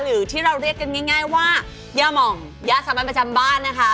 หรือที่เราเรียกกันง่ายว่ายาหม่องย่าสามัญประจำบ้านนะคะ